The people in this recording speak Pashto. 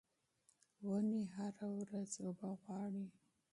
ونې هره ورځ اوبه غواړي.